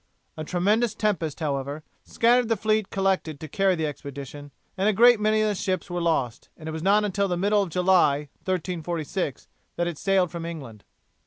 A tremendous tempest, however, scattered the fleet collected to carry the expedition, a great many of the ships were lost, and it was not until the middle of July, 1346, that it sailed from England.